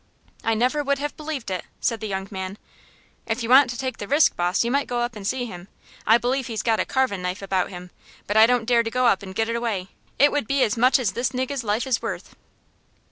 "I never would have believed it," said the young man. "If you want to take the risk, boss, you might go up and see him. I believe he's got a carvin' knife about him, but I don't dare to go up and get it away. It would be as much as this niggah's life is worth."